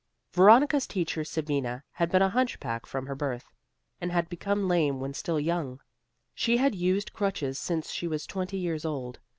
Veronica's teacher, Sabina, had been a hunchback from her birth, and had become lame when still young; she had used crutches since she was twenty years old.